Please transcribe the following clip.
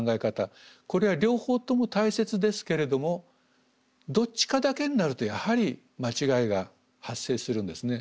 これは両方とも大切ですけれどもどっちかだけになるとやはり間違いが発生するんですね。